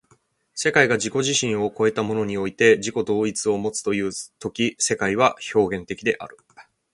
世界が自己自身を越えたものにおいて自己同一をもつという時世界は表現的である。